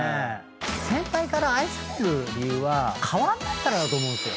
先輩から愛される理由は変わんないからだと思うんですよ。